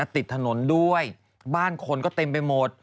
ติดถนนด้วยบ้านคนก็เต็มไปหมด